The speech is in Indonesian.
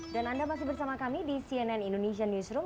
dan anda masih bersama kami di cnn indonesia newsroom